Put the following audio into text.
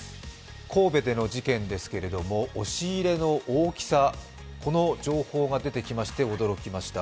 神戸での事件ですけれども、押し入れの大きさ、この情報が出てきまして驚きました。